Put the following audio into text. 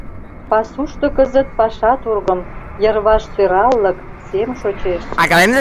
Пасушто кызыт паша тургым, Йырваш сӧраллык, сем шочеш.